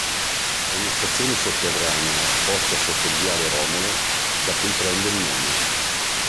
È una stazione sotterranea, posta sotto viale Romolo, da cui prende il nome.